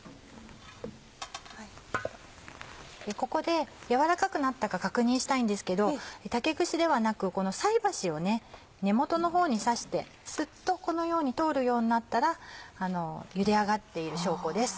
ここで軟らかくなったか確認したいんですけど竹串ではなくこの菜箸を根元の方に刺してスッとこのように通るようになったらゆで上がっている証拠です。